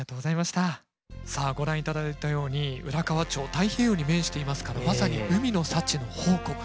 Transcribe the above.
ご覧頂いたように浦河町太平洋に面していますからまさに海の幸の宝庫。